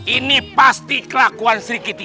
ini pasti kelakuan sri kiti